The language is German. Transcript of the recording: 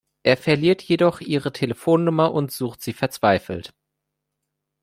Er verliert jedoch ihre Telefonnummer und sucht sie verzweifelt.